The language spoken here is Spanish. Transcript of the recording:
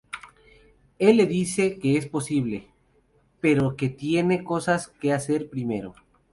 Él le dice que es posible, pero que tienen cosas que hacer primero.